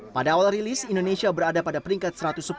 pada awal rilis indonesia berada pada peringkat satu ratus sepuluh